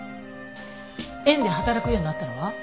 縁で働くようになったのは？